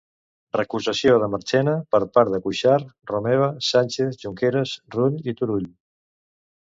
Recusació de Marchena per part de Cuixart, Romeva, Sànchez, Junqueras, Rull i Turull.